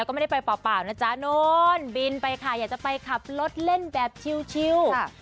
บิลอยากจะกำลังไปขับรถแฮวเชียว